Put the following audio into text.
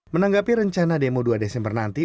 menanggapi rencana demo dua desember nanti